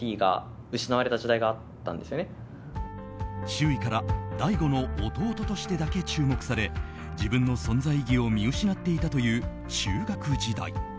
周囲からＤａｉＧｏの弟としてだけ注目され自分の存在意義を見失っていたという中学時代。